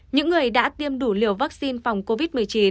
những người đã tiêm đủ liều vaccine phòng covid một mươi chín